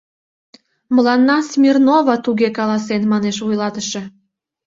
— Мыланна Смирнова туге каласен, — манеш вуйлатыше.